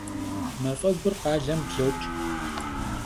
Мафӏэгур къалэм блокӏ.